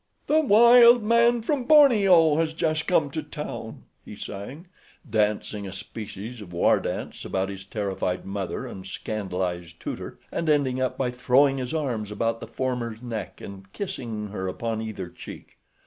"'The wild man from Borneo has just come to town,'" he sang, dancing a species of war dance about his terrified mother and scandalized tutor, and ending up by throwing his arms about the former's neck and kissing her upon either cheek.